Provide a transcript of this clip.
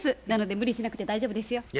なので無理しなくて大丈夫ですよ。